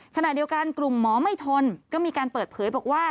ขณะเดียวกันกลุ่มหมอไม่ทนก็มีการเปิดเผยบอกว่า